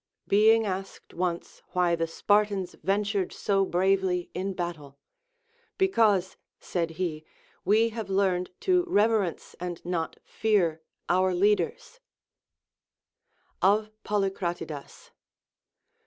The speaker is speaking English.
Being asked once why the Spartans ventured so bravely in battle ; Because, said he, we have learned to reverence and not fear our leaders. LACONIC APOPHTHEGMS. 431 Of PoJycratidas.